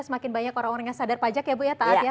semakin banyak orang orang yang sadar pajak ya bu ya taat ya